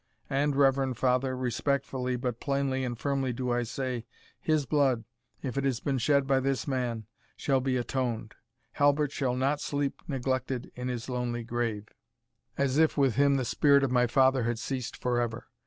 And, reverend father, respectfully, but plainly and firmly do I say, his blood, if it has been shed by this man, shall be atoned Halbert shall not sleep neglected in his lonely grave, as if with him the spirit of my father had ceased forever.